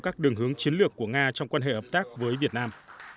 các đường hướng chiến lược của nga trong quan hệ hợp tác với việt nam